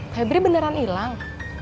feble beneran hilang